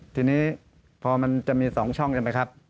ทีนี้พอมันจะมี๒ช่องกันไปครับ